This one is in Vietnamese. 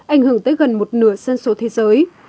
ảnh hưởng tới gần một nửa dân số thế giới